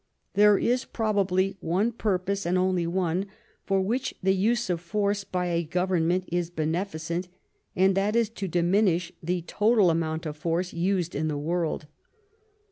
There is probably one purpose, and only one, for which the use of force by a government is beneficent, and that is to diminish the total amount of force used m the world.